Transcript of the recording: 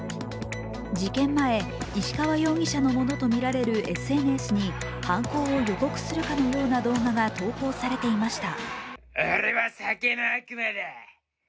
事件前、石川容疑者のものとみられるＳＮＳに犯行を予告するかのような動画が投稿されていました。